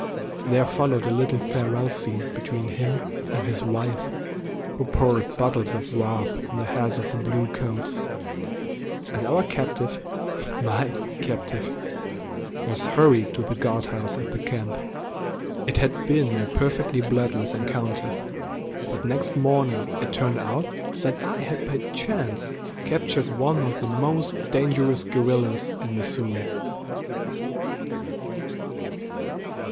There followed a little farewell scene between him and his wife, who poured bottles of wrath on the heads of the "bluecoats," and our captive my captive was hurried to the guardhouse at the camp. It had been a perfectly bloodless encounter, but next morning it turned out that I had by chance captured one of the most dangerous guerrillas in Missouri.